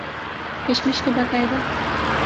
کشمش کے باقاعدہ